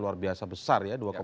luar biasa besar ya